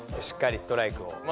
しっかりストライクを。